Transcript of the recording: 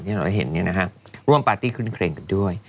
ที่เราเห็นเนี่ยนะฮะร่วมปาร์ตี้เคร่งกันด้วย